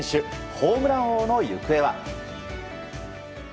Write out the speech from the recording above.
ホームラン王の行方は？